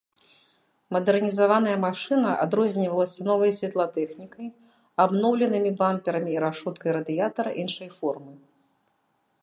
Мадэрнізаваная машына адрознівалася новай святлатэхнікай, абноўленымі бамперамі і рашоткай радыятара іншай формы.